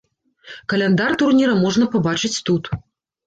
Каляндар турніра можна пабачыць тут.